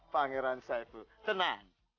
pangeran saiful tenang